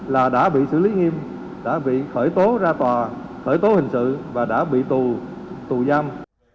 là đã bị xử lý nghiêm đã bị khởi tố ra tòa khởi tố hình sự và đã bị tù tù giam